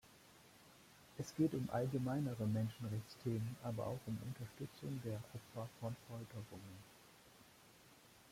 Es geht um allgemeinere Menschenrechtsthemen, aber auch um Unterstützung der Opfer von Folterungen.